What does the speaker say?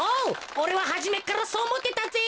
おれははじめっからそうおもってたぜ。